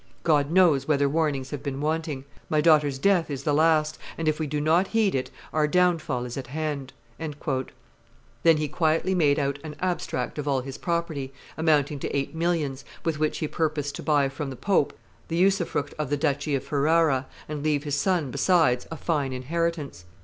God knows whether warnings have been wanting. My daughter's death is the last, and, if we do not heed it, our downfall is at hand." Then he quietly made out an abstract of all his property, amounting to eight millions, with which he purposed to buy from the pope the usufruct of the duchy of Ferrara, and leave his son, besides, a fine inheritance.